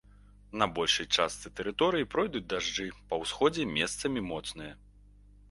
На большай частцы тэрыторыі пройдуць дажджы, па ўсходзе месцамі моцныя.